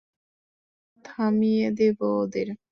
থামিয়ে দেবো ওদের।